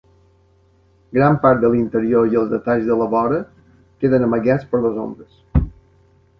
Gran part de l'interior i els detalls de la vora queden amagats per les ombres.